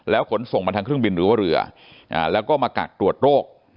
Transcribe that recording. ขนส่งมาทางเครื่องบินหรือว่าเรือแล้วก็มากักตรวจโรค